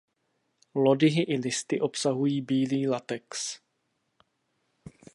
Lodyhy i listy obsahují bílý latex.